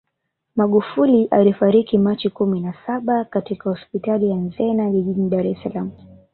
Magufuli alifariki Machi kumi na saba katika hospitali ya Mzena jijini Dar es Salaam